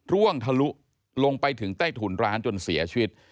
ร่วงทะลุลงไปถึงใต้ถุนร้านจนเสียชีวิต